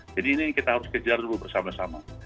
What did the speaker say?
jadi ini kita harus kejar dulu bersama sama